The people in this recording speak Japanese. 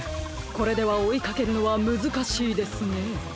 これではおいかけるのはむずかしいですね！